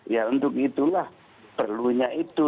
ya untuk itulah perlunya itu